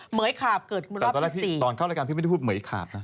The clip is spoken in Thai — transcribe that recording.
เหม๋ยขาบเกิดรอบที่สี่แต่ตอนเข้ารายการพี่ไม่ได้พูดเหม๋ยขาบนะ